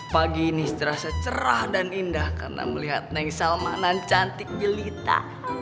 pagi ini terasa cerah dan indah karena melihat neng salmanan cantik gelita